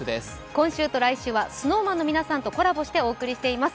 今週と来週はＳｎｏｗＭａｎの皆さんとコラボしてお伝えしています。